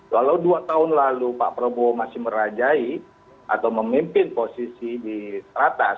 walau dua tahun lalu pak prabowo masih merajai atau memimpin posisi di teratas